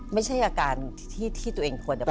ไม่ใช่อาการที่ตัวเองควรจะ